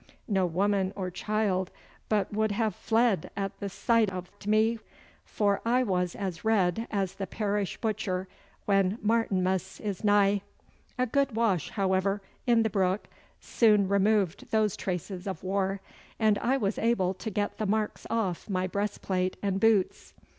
No woman or child but would have fled at the sight of me, for I was as red as the parish butcher when Martinmas is nigh. A good wash, however, in the brook soon removed those traces of war, and I was able to get the marks off my breastplate and boots.